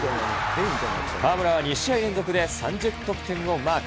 河村が２試合連続で３０得点をマーク。